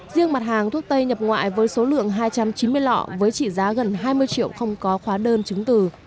riêng mặt hàng thuốc tây nhập ngoại với số lượng hai trăm chín mươi lọ với trị giá gần hai mươi triệu không có hóa đơn chứng từ